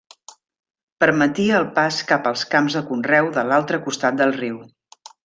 Permetia el pas cap als camps de conreu de l'altre costat del riu.